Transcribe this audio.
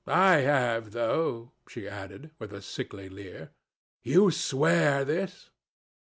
I have, though," she added, with a sickly leer. "You swear this?"